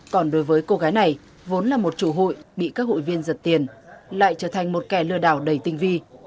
còn đối với cô gái này vốn là một chủ hội bị các hụi viên giật tiền lại trở thành một kẻ lừa đảo đầy tinh vi